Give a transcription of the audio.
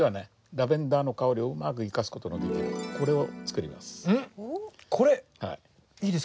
ラベンダーの香りをうまく生かす事のできるこれを作ります。